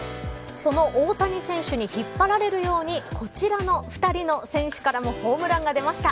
その大谷選手に引っ張られるようにこちらの２人の選手からもホームランが出ました。